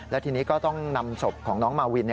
และทีนี้ก็ต้องนำศพของน้องมาวิน